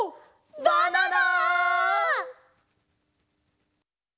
バナナ！